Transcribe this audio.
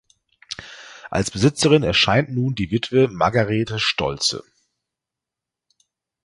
Als Besitzerin erscheint nun die Witwe Margarethe Stolze.